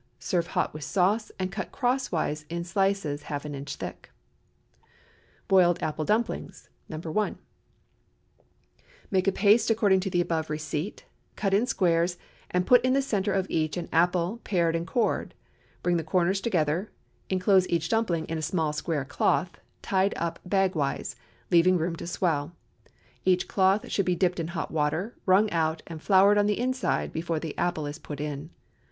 Serve hot with sauce, and cut crosswise in slices half an inch thick. BOILED APPLE DUMPLINGS. (No. 1.) ✠ Make a paste according to the above receipt; cut in squares, and put in the centre of each an apple, pared and cored. Bring the corners together; enclose each dumpling in a small square cloth, tied up bag wise, leaving room to swell. Each cloth should be dipped in hot water, wrung out and floured on the inside before the apple is put in.